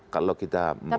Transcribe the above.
kalau kita mengatakan